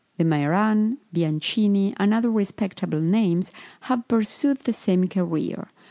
De Mairan, Bianchini, and other respectable names, have pursued the same career.